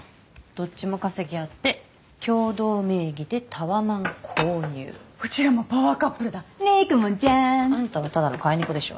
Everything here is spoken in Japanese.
どっちも稼ぎあって共同名義でタワマン購入うちらもパワーカップルだねえ公文ちゃんあんたはただの飼い猫でしょ